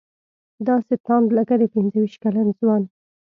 داسې تاند لکه د پنځه ویشت کلن ځوان.